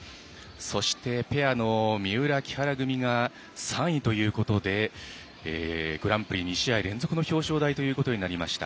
そして、ペアの三浦、木原組が３位ということでグランプリ２試合連続の表彰台ということになりました。